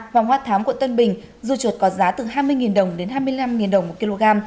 hoàng hoa thám quận tân bình dượt có giá từ hai mươi đồng đến hai mươi năm đồng một kg